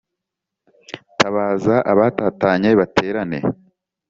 Tabaza abatatanye baterane